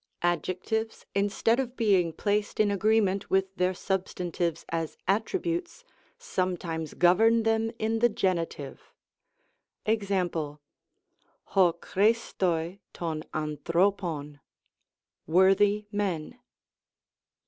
Adjectives, instead of being placed in agreement with their substantives as attributes, sometimes govern them in the Gen. JKz?., oi XQ^i^^^^ '^^^ dv&Qconcov^ "worthy men."